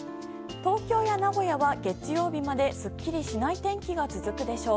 東京や名古屋は月曜日まですっきりしない天気が続くでしょう。